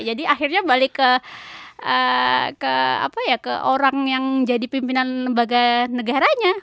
jadi akhirnya balik ke orang yang jadi pimpinan lembaga negaranya